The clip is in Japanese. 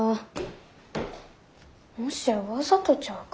もしやわざとちゃうか？